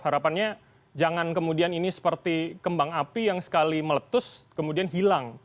harapannya jangan kemudian ini seperti kembang api yang sekali meletus kemudian hilang